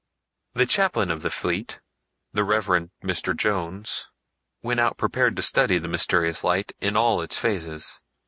The chaplain of the fleet, the Rev. Mr Jones, went out prepared to study the mysterious light in all its phases.